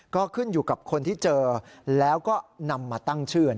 ก็ขึ้นอยู่กับคนที่เจอแล้วก็นำมาตั้งชื่อ